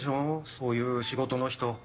そういう仕事の人。